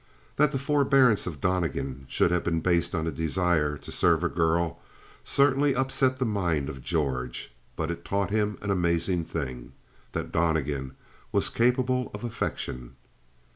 That the forbearance of Donnegan should have been based on a desire to serve a girl certainly upset the mind of George, but it taught him an amazing thing that Donnegan was capable of affection.